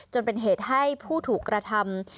จนเป็นเหตุให้ผู้ถูกกระทำ